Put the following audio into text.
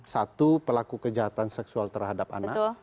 satu pelaku kejahatan seksual terhadap anak